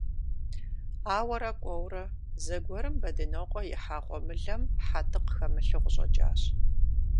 Ауэрэ кӀуэурэ, зэгуэрым Бэдынокъуэ ихьа гъуэмылэм хьэтыкъ хэмылъу къыщӀэкӀащ.